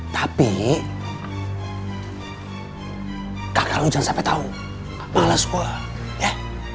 tapi kakak lo jangan sampai tau males gue ya